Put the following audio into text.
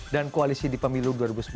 dan koalisi di pemilu dua ribu sembilan belas